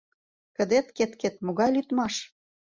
— Кыдет-кет-кет, могай лӱдмаш!